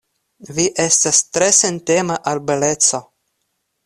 Vi estas tre sentema al beleco.